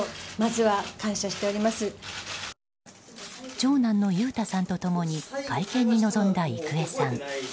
長男の裕太さんと共に会見に臨んだ郁恵さん。